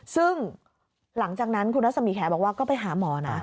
ซึ่งหลังจากนั้นคุณรัศมีแขบอกว่าก็ไปหาหมอนะ